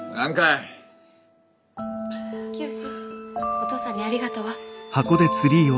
お父さんにありがとうは？